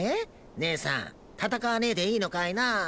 ねえさん戦わねえでいいのかいな。